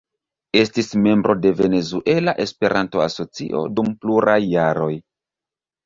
Estis membro de Venezuela Esperanto-Asocio dum pluraj jaroj.